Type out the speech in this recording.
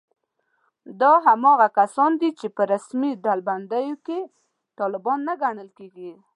دا هماغه کسان دي چې په رسمي ډلبندیو کې طالبان نه ګڼل کېږي